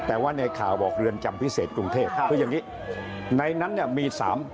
แต่ว่าในข่าวบอกเรือนจำพิเศษกรุงเทพคืออย่างนี้ในนั้นเนี่ยมีสาม